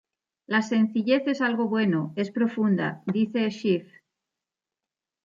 La sencillez es algo bueno, es profunda", dice Schiff.